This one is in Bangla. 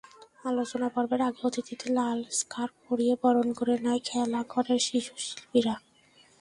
আলোচনাপর্বের আগে অতিথিদের লাল স্কার্ফ পরিয়ে বরণ করে নেয় খেলাঘরের শিশুশিল্পীরা।